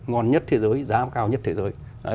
ngon nhất thế giới giá cao nhất thế giới